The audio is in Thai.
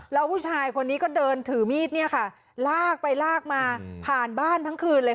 แล้วผู้ชายคนนี้ก็เดินถือมีดเนี่ยค่ะลากไปลากมาผ่านบ้านทั้งคืนเลย